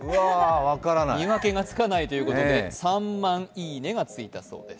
見分けがつかないということで３万「いいね」がついたそうです。